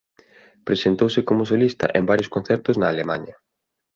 Presentouse como solista en varios concertos na Alemaña.